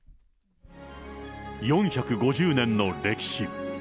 ４５０年の歴史。